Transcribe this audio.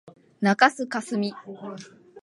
中須かすみ